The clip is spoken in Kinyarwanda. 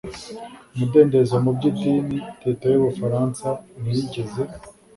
umudendezo mu by’idini Leta y’u Bufaransa ntiyigeze